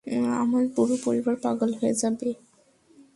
আমার পুরো পরিবার পাগল হয়ে যাবে!